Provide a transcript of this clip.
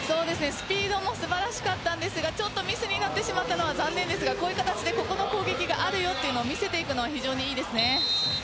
スピードも素晴らしかったんですがちょっとミスになってしまったのは残念ですがこういう形でここの攻撃があるよと見せていくのは非常に良いですね。